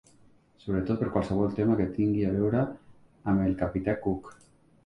Sobretot per qualsevol tema que tingui a veure amb el capità Cook.